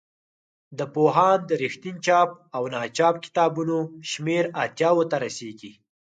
د پوهاند رښتین چاپ او ناچاپ کتابونو شمېر اتیاوو ته رسیږي.